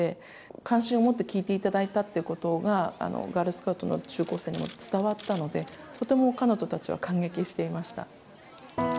関心を持って聞いていただいたってことが、ガールスカウトの中高生にも伝わったので、とても彼女たちは感激していました。